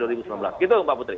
gitu mbak putri